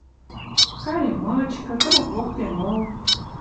Карем мычкы, кырык воктен мол.